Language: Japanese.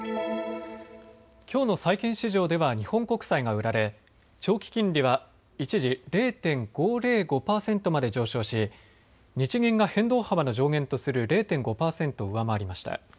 きょうの債券市場では日本国債が売られ長期金利は一時、０．５０５％まで上昇し日銀が変動幅の上限とする０．５％を上回りました。